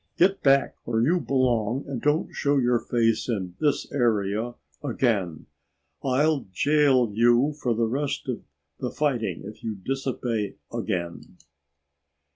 Get back where you belong and don't show your face in this area again. I'll jail you for the rest of the fighting if you disobey again!"